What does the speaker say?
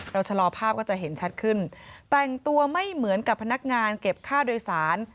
ชะลอภาพก็จะเห็นชัดขึ้นแต่งตัวไม่เหมือนกับพนักงานเก็บค่าโดยสาร